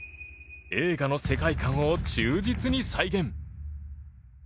映画の世界観を忠実に再現。